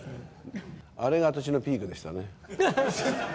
あれが私のピークでしたね。